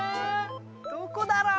どこだろう？